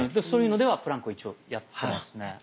そういうのではプランクを一応やってますね。